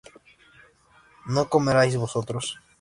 ¿no comeríais vosotros?